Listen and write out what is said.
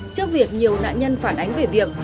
trước việc nhiều nạn nhân phản ánh về việc